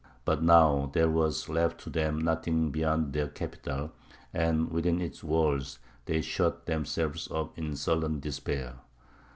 But now there was left to them nothing beyond their capital, and within its walls they shut themselves up in sullen despair.